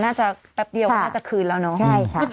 น่าจะแป๊บเดียวน่าจะคืนแล้วเนอะ